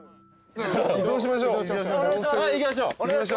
移動しましょう。